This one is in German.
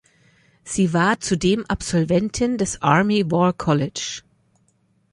Sie war zudem Absolventin des Army War College.